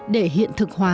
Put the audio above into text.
để hiện thực hóa dự án